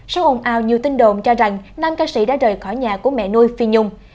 số ồn ào nhiều tin đồn cho rằng nam ca sĩ đã rời khỏi nhà của mẹ nuôi phi nhung